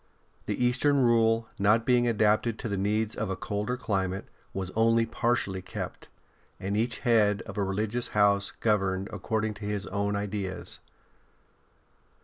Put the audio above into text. The Eastern Rule, not being adapted to the needs of a colder climate, was only partially kept, and each head of a religious house governed according to his own ideas.